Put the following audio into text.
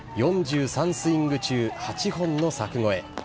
４３スイング中８本の柵越え。